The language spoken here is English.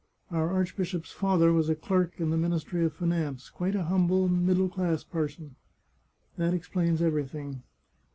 Our archbishop's father was a clerk in the Ministry of Finance, quite a humble, middle class person; that explains every thing.